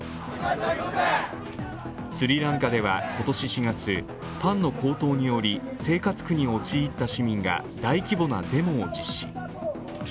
スリランカでは今年４月、パンの高騰により生活苦に陥った市民が大規模なデモを実施。